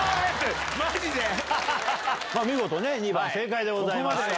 見事２番正解でございました。